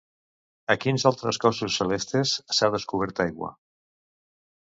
A quins altres cossos celestes s'ha descobert aigua?